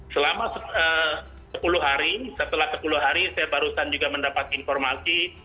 selama sepuluh hari setelah sepuluh hari saya barusan juga mendapat informasi